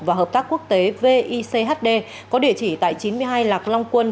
và hợp tác quốc tế viche có địa chỉ tại chín mươi hai lạc long quân